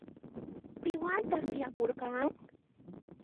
Piwantaq tiyapurqan?